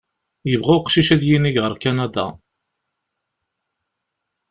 Yebɣa uqcic ad yinig ɣer Kanada.